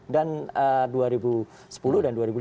dan dua ribu sepuluh dan dua ribu lima belas